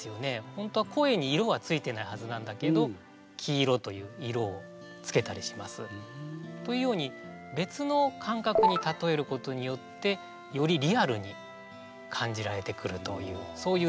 ホントは声に色は付いてないはずなんだけど黄色という色を付けたりします。というように別の感覚に例えることによってよりリアルに感じられてくるというそういうレトリックを使ってみました。